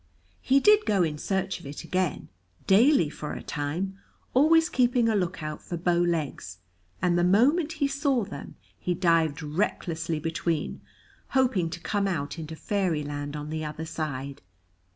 He did go in search of it again, daily for a time, always keeping a look out for bow legs, and the moment he saw them, he dived recklessly between, hoping to come out into fairyland on the other side.